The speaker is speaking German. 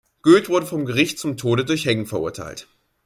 Göth wurde vom Gericht zum Tode durch Hängen verurteilt.